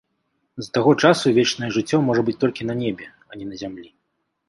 З таго часу вечнае жыццё можа быць толькі на небе, а не на зямлі.